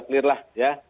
sudah clear lah ya